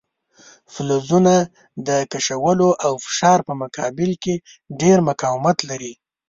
فلزونه د کشولو او فشار په مقابل کې ډیر مقاومت لري.